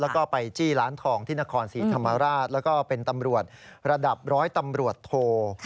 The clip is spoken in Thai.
และไปจี้ล้านทองที่นครศิริษฐรรมาราชและเป็นตำรวจระดับร้อยตำรวจโทร